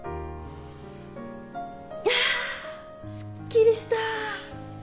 あすっきりした。